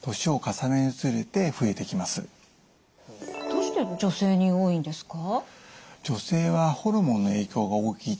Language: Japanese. どうして女性に多いんですか？